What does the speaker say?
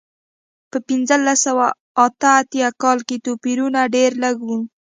په پنځلس سوه اته اتیا کال کې توپیرونه ډېر لږ و.